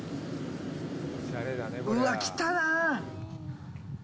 うわ、来たな。